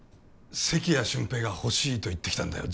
関谷俊平が欲しいと言ってきたんだよ